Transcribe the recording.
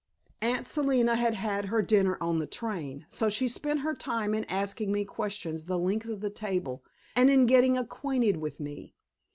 Aunt Selina had had her dinner on the train, so she spent her time in asking me questions the length of the table, and in getting acquainted with me.